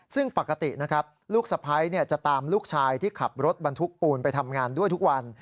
ซึ่งปกตินะครับลูกสะพ้ายจะตามลูกชายที่ขับรถบรรทุกปูนไปทำงานด้วยทุกวัน